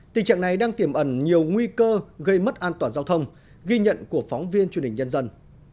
tình trạng này đang tiềm ẩn nhiều nguy cơ gây mất an toàn giao thông ghi nhận của phóng viên truyền hình nhân dân